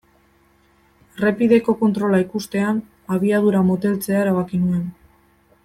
Errepideko kontrola ikustean abiadura moteltzea erabaki nuen.